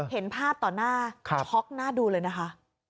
เห็นภาพต่อหน้าช็อกหน้าดูเลยนะคะ